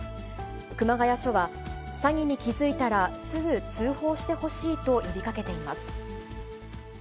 熊谷署は、詐欺に気付いたらすぐ通報してほしいと呼びかけています。